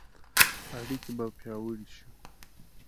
اړیکې به پیاوړې شي.